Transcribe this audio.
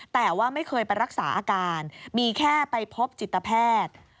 แต่ว่าไม่เคยไปรักษาอาการมีแค่ไปพบจิตแพทย์